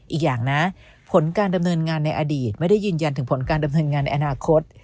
อีกอย่างนะผลการดำเนินงานในอดีตไม่ได้ยืนยันถึงผลการดำเนินงานในอนาคต